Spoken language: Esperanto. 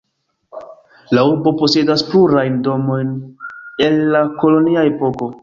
La urbo posedas plurajn domojn el la kolonia epoko.